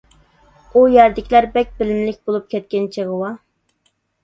ئۇ يەردىكىلەر بەك بىلىملىك بولۇپ كەتكەن چېغىۋا.